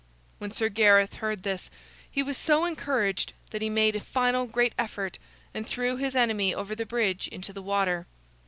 When Sir Gareth heard this, he was so encouraged that he made a final great effort and threw his enemy over the bridge into the water.